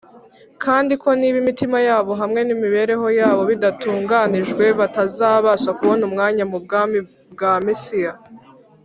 , kandi ko niba imitima yabo hamwe n’imibereho yabo bidatunganijwe batazabasha kubona umwanya mu bwami bwa Mesiya.